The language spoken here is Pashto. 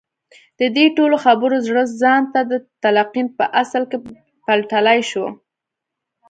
د دې ټولو خبرو زړی ځان ته د تلقين په اصل کې پلټلای شو.